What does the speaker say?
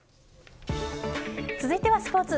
続いてはスポーツ。